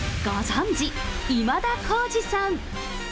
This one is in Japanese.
ご存じ、今田耕司さん。